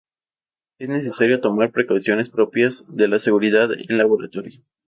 Es necesario tomar precauciones propias de la seguridad en laboratorio.